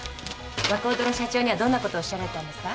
和光堂の社長にはどんなことおっしゃられたんですか？